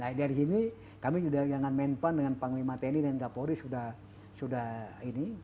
nah dari sini kami juga dengan menpan dengan panglima tani dan tani pohri sudah ini